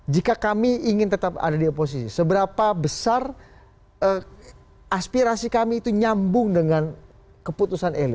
jika kami ingin tetap ada di oposisi seberapa besar aspirasi kami itu nyambung dengan keputusan elit